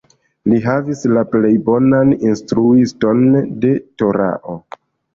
Li havis la plej bonan instruiston de Torao.